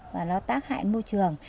và nó tác hại môi trường